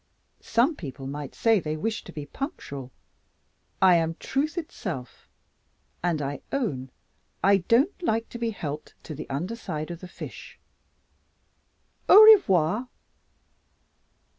Some people might say they wished to be punctual. I am truth itself, and I own I don't like to be helped to the underside of the fish. _Au revoir!